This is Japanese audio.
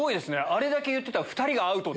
あれだけ言ってた２人がアウト。